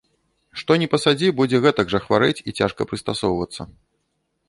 Што ні пасадзі, будзе гэтак жа хварэць і цяжка прыстасоўвацца.